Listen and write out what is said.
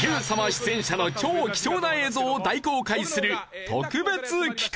出演者の超貴重な映像を大公開する特別企画。